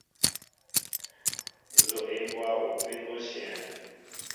Nzoʼ e mɓɔa opun oshyɛέŋ.